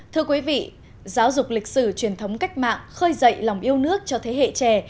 thưa quý vị giáo dục lịch sử truyền thống cách mạng khơi dậy lòng yêu nước cho thế hệ trẻ